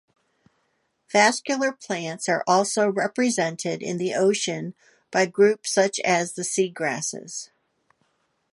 Vascular plants are also represented in the ocean by groups such as the seagrasses.